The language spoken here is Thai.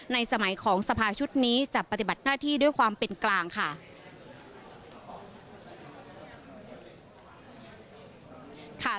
สมัยของสภาชุดนี้จะปฏิบัติหน้าที่ด้วยความเป็นกลางค่ะ